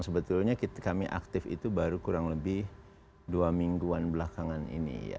sebetulnya kami aktif itu baru kurang lebih dua mingguan belakangan ini